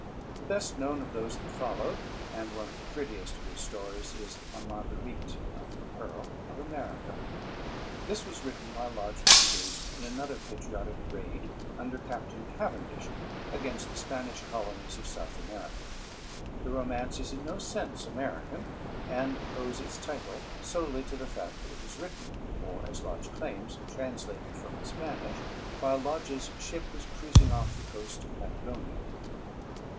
The best known of those that followed, and one of the prettiest of his stories, is "A Margarite [i.e. pearl] of America." This was written while Lodge was engaged in another patriotic raid under Captain Cavendish against the Spanish colonies of South America. The romance is in no sense American, and owes its title solely to the fact that it was written, or, as Lodge claims, translated from the Spanish, while Lodge's ship was cruising off the coast of Patagonia.